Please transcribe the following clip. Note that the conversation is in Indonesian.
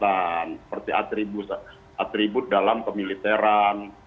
seperti atribut dalam pemiliteran